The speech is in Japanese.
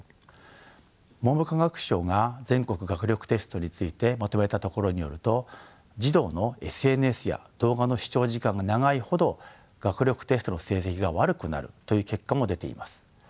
文部科学省が全国学力テストについてまとめたところによると児童のＳＮＳや動画の視聴時間が長いほど学力テストの成績が悪くなるという結果も出ています。